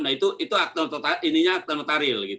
nah ininya akte notaril